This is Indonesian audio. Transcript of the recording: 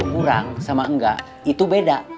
kurang sama enggak itu beda